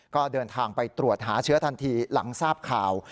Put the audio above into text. ก็เดินทางไปตรวจหาเชื้อทันทีหลังทราบข่าว